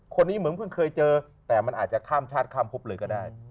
คนนี้เหมือนเพิ่งเคยเจอแต่มันอาจจะข้ามชาติข้ามพบเลยก็ได้